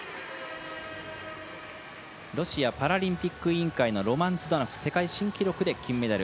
ロシアパラリンピック委員会のズダノフ世界新記録で金メダル。